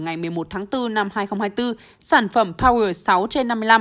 ngày một mươi một tháng bốn năm hai nghìn hai mươi bốn sản phẩm power sáu trên năm mươi năm